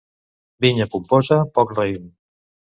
Vinya pomposa, poc raïm.